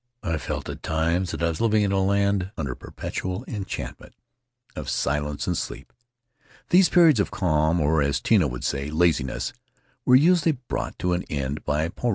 I felt at times that I was living in a land under a perpetual enchant ment of silence and sleep. These periods of calm — or, as Tino would say, laziness — were usually brought to an end by Puarei.